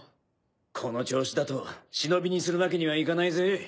この調子だと忍にするわけにはいかないぜ。